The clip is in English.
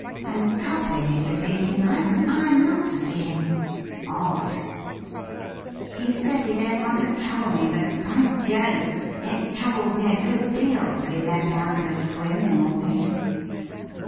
And Coffin is to see him to night, and I am not to see him. Odd ! He says he don't want to trouble me ; but, by Jove ! it troubles me a good deal to be left out of the swim in all this.'